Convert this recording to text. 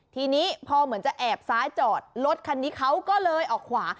ทีนี้พอเหมือนจะแอบซ้ายจอดรถคันนี้เขาก็เลยออกขวา